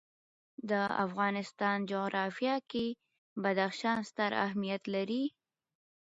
د افغانستان جغرافیه کې بدخشان ستر اهمیت لري.